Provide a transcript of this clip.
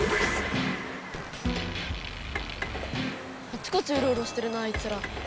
あちこちウロウロしてるなあいつら。